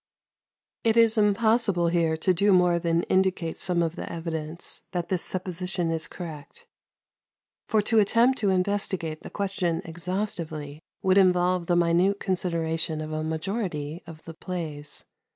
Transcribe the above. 122. It is impossible here to do more than indicate some of the evidence that this supposition is correct, for to attempt to investigate the question exhaustively would involve the minute consideration of a majority of the plays.